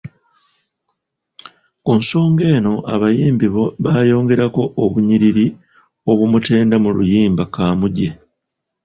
Ku nsonga eno abayimbi baayongera obunnyiriri obumutenda mu luyimba Kaamuje.